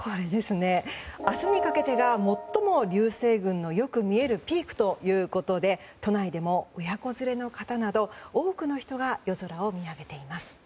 明日にかけてが最も流星群のよく見えるピークということで都内でも親子連れの方など多くの人が夜空を見上げています。